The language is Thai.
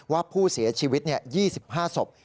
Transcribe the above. ว่าผู้เสียชีวิต๒๕ศพ